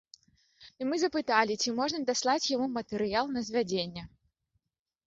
І мы запыталі, ці можна даслаць яму матэрыял на звядзенне.